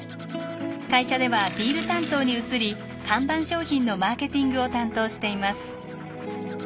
会社ではビール担当に移り看板商品のマーケティングを担当しています。